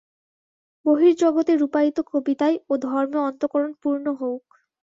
বহির্জগতে রূপায়িত কবিতায় ও ধর্মে অন্তঃকরণ পূর্ণ হউক।